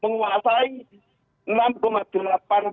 dan itu sebagian diklaim oleh pahlawan